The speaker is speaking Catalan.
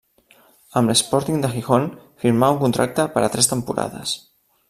Amb l'Sporting de Gijón firmà un contracte per a tres temporades.